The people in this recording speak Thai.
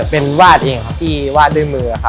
เป็นวาดเองที่วาดด้วยมือ